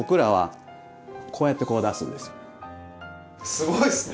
すごいですね。